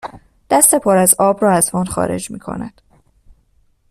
دست پر از آب را از وان خارج میکند